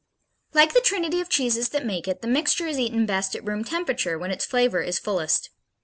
Like the trinity of cheeses that make it, the mixture is eaten best at room temperature, when its flavor is fullest.